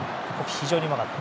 非常にうまかった。